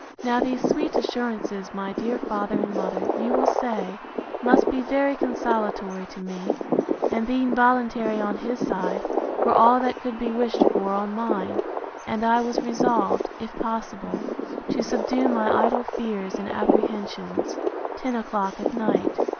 Now these sweet assurances, my dear father and mother, you will say, must be very consolatory to me; and being voluntary on his side, were all that could be wished for on mine; and I was resolved, if possible, to subdue my idle fears and apprehensions. Ten o'clock at night.